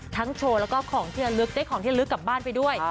โชว์แล้วก็ของที่ระลึกได้ของที่ระลึกกลับบ้านไปด้วย